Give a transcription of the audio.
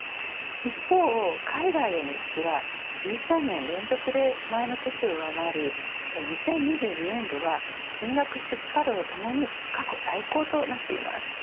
一方、海外への輸出は１３年連続で前の年を上回り２０２２年度は金額、出荷量ともに過去最高となっています。